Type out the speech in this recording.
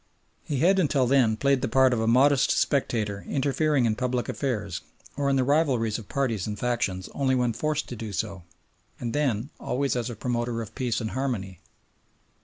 He had until then played the part of a modest spectator interfering in public affairs or in the rivalries of parties and factions only when forced to do so, and then always as a promoter of peace and harmony.